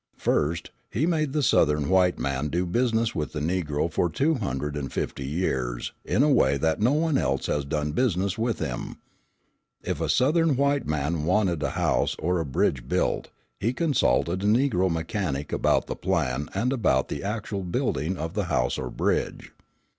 First, he made the Southern white man do business with the Negro for two hundred and fifty years in a way that no one else has done business with him. If a Southern white man wanted a house or a bridge built, he consulted a Negro mechanic about the plan and about the actual building of the house or bridge.